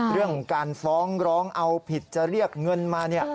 เรื่องของการฟ้องร้องเอาผิดจะเรียกเงินมา